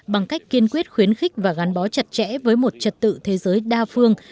bằng cách kiên quyết khuyến khích và gắn bó chặt chẽ với một trật tự thế giới đa phương